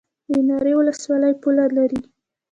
د ناری ولسوالۍ پوله لري